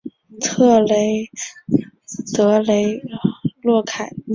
特雷德雷洛凯莫。